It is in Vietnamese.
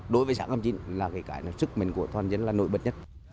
mọi việc làm của người dân đều phải tự nguyện